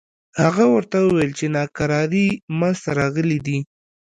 هغه ورته وویل چې ناکراری منځته راغلي دي.